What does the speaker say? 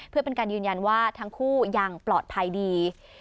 เพื่อเป็นการยืนยันว่าทั้งคู่ยังปลอดภัยดี